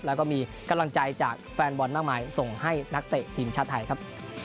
แล้วก็มีกำลังใจจากแฟนบอลมากมายส่งให้นักเตะทีมชาติไทยครับ